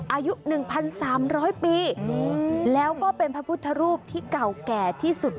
อายุ๑๓๐๐ปีแล้วก็เป็นพระพุทธรูปที่เก่าแก่ที่สุด